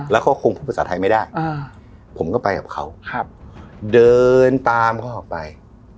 แล้วเขาคงพูดภาษาไทยไม่ได้ผมก็ไปกับเขาเดินตามเขาออกไป